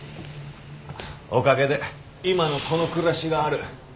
おかげで今のこの暮らしがある。